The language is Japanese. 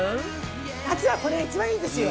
夏はこれが一番いいですよ